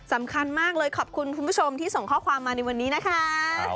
สำคัญมากเลยขอบคุณคุณผู้ชมที่ส่งข้อความมาในวันนี้นะคะ